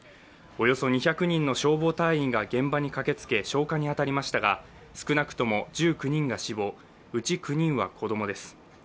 およそ２００人の消防隊員が現場に駆けつけ、消火に当たりましたが少なくとも１９人が死亡うち９人は子供です。